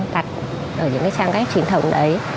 đặt ở những trang cách truyền thống đấy